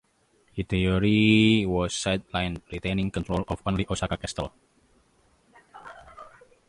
Hideyori was sidelined, retaining control of only Osaka Castle.